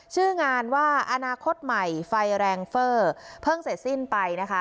ชื่องานว่าอนาคตใหม่ไฟแรงเฟอร์เพิ่งเสร็จสิ้นไปนะคะ